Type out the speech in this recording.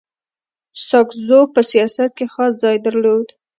ساکزو په سیاست کي خاص ځای درلود.